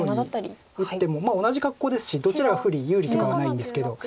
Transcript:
同じように打っても同じ格好ですしどちらが不利有利とかはないんですけど。